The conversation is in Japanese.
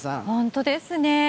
本当ですね。